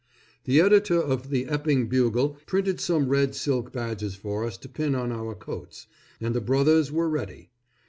The editor of the Epping Bugle printed some red silk badges for us to pin on our coats, and the Brothers were ready.